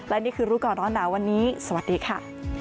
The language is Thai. และนี่คือรู้ก่อนร้อนหนาวันนี้สวัสดีค่ะ